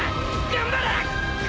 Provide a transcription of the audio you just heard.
頑張れ！